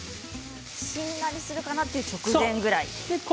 しんなりするかなという直前ですね。